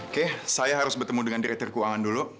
oke saya harus bertemu dengan direktur keuangan dulu